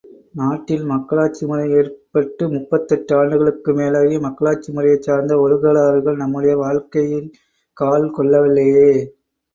நாட்டில் மக்களாட்சிமுறை ஏற்பட்டு முப்பத்தெட்டு ஆண்டுகளுக்கு மேலாகியும் மக்களாட்சிமுறையைச் சார்ந்த ஒழுகலாறுகள் நம்முடைய வாழ்க்கையில் கால் கொள்ளவில்லையே!